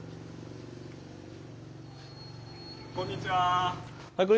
こんにちは。